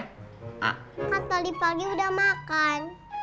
kan tadi pagi udah makan